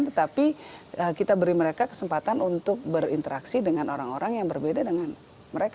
tetapi kita beri mereka kesempatan untuk berinteraksi dengan orang orang yang berbeda dengan mereka